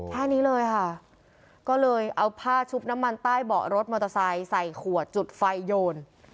แค่นี้เลยค่ะก็เลยเอาผ้าชุบน้ำมันใต้เบาะรถมอเตอร์ไซค์ใส่ขวดจุดไฟโยน